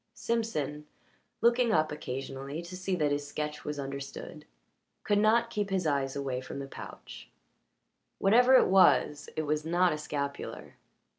Simpson, looking up occasionally to see that his sketch was understood, could not keep his eyes away from the pouch whatever it was, it was not a scapular.